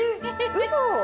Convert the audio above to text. うそ！